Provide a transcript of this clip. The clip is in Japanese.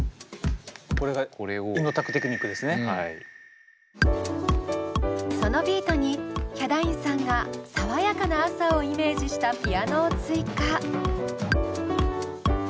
これがそのビートにヒャダインさんが爽やかな朝をイメージしたピアノを追加。